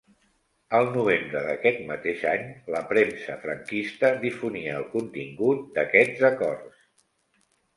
Al novembre d'aquest mateix any la premsa franquista difonia el contingut d'aquests acords.